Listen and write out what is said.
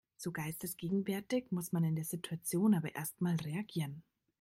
So geistesgegenwärtig muss man in der Situation aber erstmal reagieren.